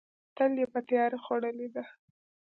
تل یې په تیاره خوړلې ده.